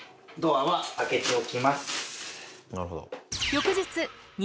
なるほど。